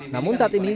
namun saat ini